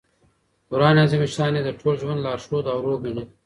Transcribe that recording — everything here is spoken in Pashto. قران عظیم الشان ئې د ټول ژوند لارښود او روح ګڼي.